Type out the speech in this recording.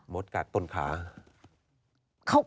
ดกัดต้นขา